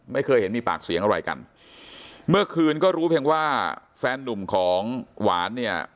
ไม่เคยเห็นมีปากเสียงอะไรกันเมื่อคืนก็รู้เพียงว่าแฟนนุ่มของหวานเนี่ย